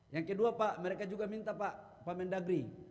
yang kedua pak mereka juga minta pak mendagri